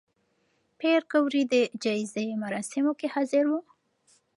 پېیر کوري د جایزې مراسمو کې حاضر و؟